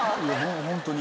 ホントに。